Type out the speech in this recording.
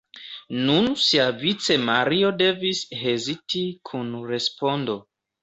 Nun siavice Mario devis heziti kun respondo.